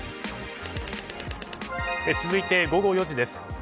続いて、午後４時です。